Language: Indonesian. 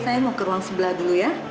saya mau ke ruang sebelah dulu ya